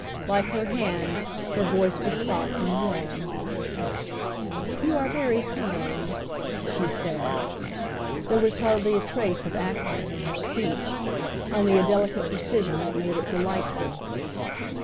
Like her hand, her voice was soft and warm. "You are very kind," she said. There was hardly a trace of accent in her speech, only a delicate precision that made it delightful.